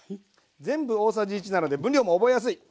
全部大さじ１なので分量も覚えやすい。